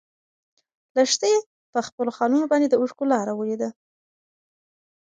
لښتې په خپلو خالونو باندې د اوښکو لاره ولیده.